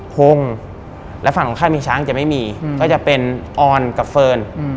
พงศ์และฝั่งของค่ายมีช้างจะไม่มีก็จะเป็นออนกับเฟิร์น